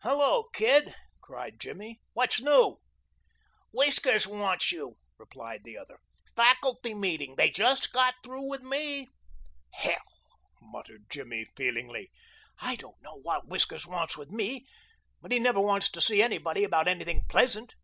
"Hello, Kid!" cried Jimmy. "What's new?" "Whiskers wants you," replied the other. "Faculty meeting. They just got through with me." "Hell!" muttered Jimmy feelingly. "I don't know what Whiskers wants with me, but he never wants to see anybody about anything pleasant."